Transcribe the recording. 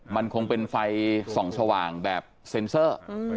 มันคงเป็นไฟส่องสว่างแบบเซ็นเซอร์